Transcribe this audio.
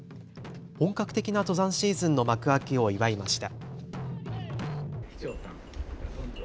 本格的な登山シーズンの幕開けを祝いました。